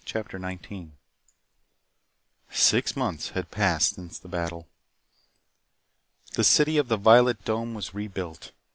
CHAPTER 19 Six months had passed since the battle. The city of the violet dome was rebuilt.